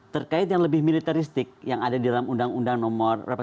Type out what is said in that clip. terkait yang lebih militaristik yang ada di dalam undang undang nomor delapan